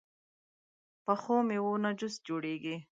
پخو میوو نه جوس جوړېږي